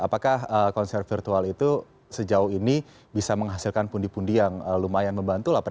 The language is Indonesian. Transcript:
apakah konser virtual itu sejauh ini bisa menghasilkan pundi pundi yang lumayan membantu